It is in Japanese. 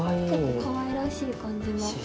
結構かわいらしい感じの。